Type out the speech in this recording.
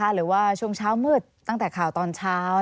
หรือว่าช่วงเช้ามืดตั้งแต่ข่าวตอนเช้า